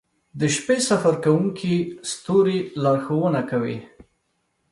• د شپې سفر کوونکي ستوري لارښونه کوي.